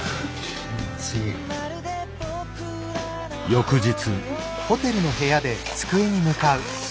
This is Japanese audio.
翌日。